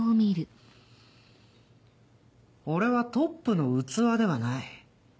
俺はトップの器ではない。